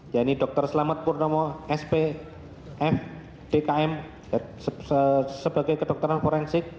yaitu dr selamat purnomo spf dkm sebagai kedokteran forensik